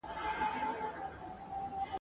خوار پر لاهور هم خوار وي !.